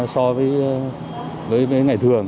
so với ngày thường